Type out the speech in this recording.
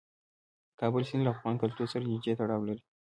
د کابل سیند له افغان کلتور سره نږدې تړاو لري.